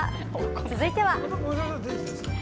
続いては。